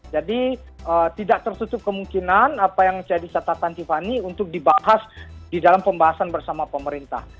jadi tidak tersutup kemungkinan apa yang jadi catatan tiffany untuk dibahas di dalam pembahasan bersama pemerintah